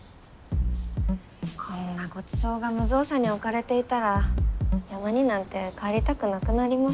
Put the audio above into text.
こんなごちそうが無造作に置かれていたら山になんて帰りたくなくなります。